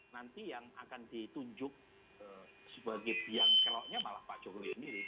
nanti yang akan ditunjuk sebagai biang keloknya malah pak jokowi sendiri